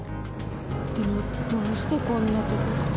でもどうしてこんなとこ。